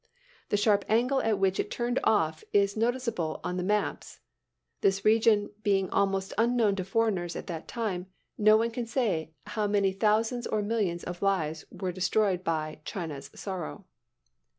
The sharp angle at which it turned off is noticeable on the maps. This region being almost unknown to foreigners at that time, no one can say how many thousands or millions of lives were destroyed by "China's Sorrow."